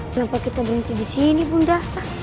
kenapa kita berhenti disini bunda